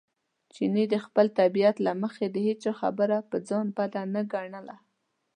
چیني د خپلې طبیعت له مخې د هېچا خبره پر ځان بد نه ګڼله.